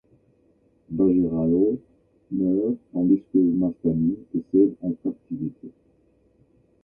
Bajirao meurt tandis que Mastani décède en captivité.